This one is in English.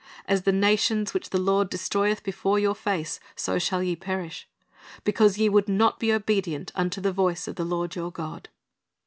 As the nations which the Lord destroyeth before your face, so shall ye perish; because ye would not be obedient unto the voice of the Lord your God."